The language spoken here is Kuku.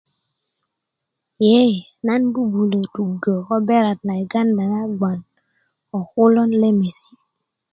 ye nan bubulo tugö ko beret na uganda na bgoŋ ko kulön lemesi